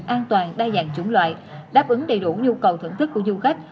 an toàn đa dạng chủng loại đáp ứng đầy đủ nhu cầu thưởng thức của du khách